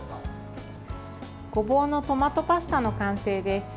ごぼうのトマトパスタの完成です。